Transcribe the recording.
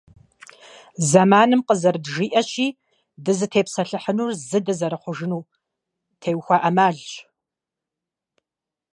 Как этого требует от нас время, мы говорим об обретении нового единства.